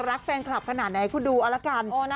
รักแฟนคลับขนาดไหนคุณดูเอาละกัน